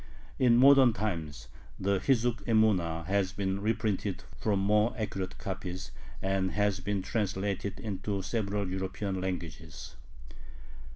In modern times the Hizzuk Emuna has been reprinted from more accurate copies, and has been translated into several European languages.